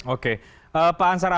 oke pak ansar ahun